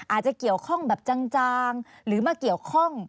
อาจจะเกี่ยวข้องแบบจางหรือมาเกี่ยวข้อง